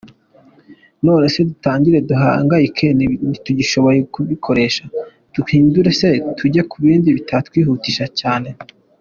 Nonese dutangire duhangayike ntitugishoboye kubikoresha? Duhindure se tujye ku bindi bitatwihutisha cyane.